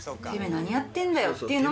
「てめえ何やってんだよ」